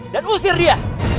dan usir dia